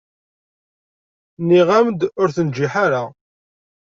Nniɣ-am-d ur tenǧiḥ ara.